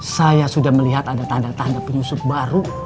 saya sudah melihat ada tanda tanda penyusup baru